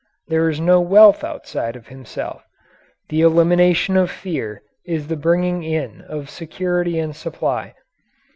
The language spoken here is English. There is no wealth outside of himself. The elimination of fear is the bringing in of security and supply.